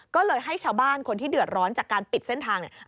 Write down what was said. ก็เลยให้ชาวบ้านคนที่เดือดร้อนจากการปิดเส้นทางเนี่ย